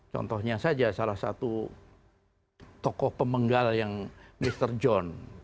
contohnya saja salah satu tokoh pemenggal yang mr john